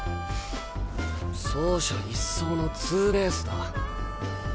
走者一掃のツーベースだ。